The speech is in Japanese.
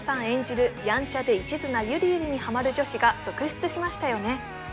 演じるやんちゃで一途なゆりゆりにハマる女子が続出しましたよね